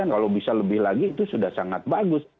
kalau bisa lebih lagi itu sudah sangat bagus